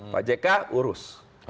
pak jk urus